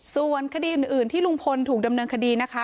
ส่วนคดีอื่นที่ลุงพลถูกดำเนินคดีนะคะ